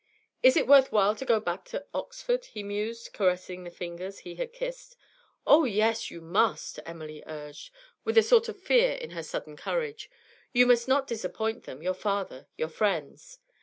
'Is it worth while to go hack to Oxford?' he mused, caressing the fingers he had kissed. 'Oh, yes; you must,' Emily urged, with a sort of fear in her sudden courage. 'You must not disappoint them, your father, your friends.'